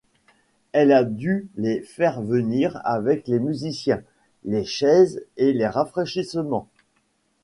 Elle a dû les faire venir avec les musiciens, les chaises et les rafraîchissements.